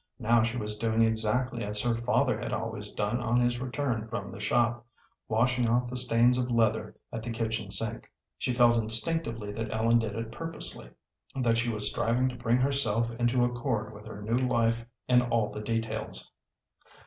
Now she was doing exactly as her father had always done on his return from the shop washing off the stains of leather at the kitchen sink. She felt instinctively that Ellen did it purposely, that she was striving to bring herself into accord with her new life in all the details.